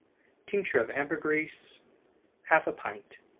Tincture of ambergris ½ pint.